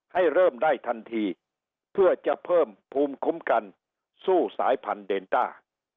ให้เริ่มได้ทันทีเพื่อจะเพิ่มภูมิคุ้มกันสู้สายพันธุเดนต้า